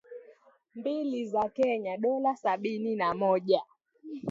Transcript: Mbili za Kenya (dola sabini na moja).